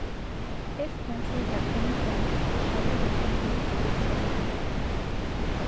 If cancelled at any point the shutter would complete the exposure.